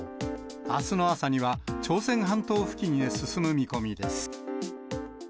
あすの朝には朝鮮半島付近へ進む見込みです。